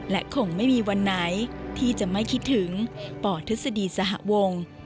และคงไม่มีวันไหนที่จะไม่คิดถึงปทฤษฎีสหวง